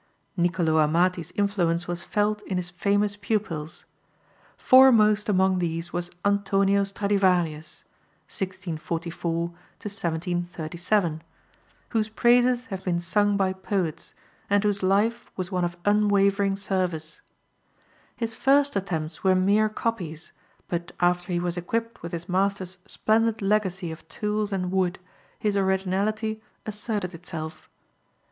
Nicolo Amati's influence was felt in his famous pupils. Foremost among these was Antonio Stradivarius (1644 1737), whose praises have been sung by poets, and whose life was one of unwavering service. His first attempts were mere copies, but after he was equipped with his master's splendid legacy of tools and wood, his originality asserted itself.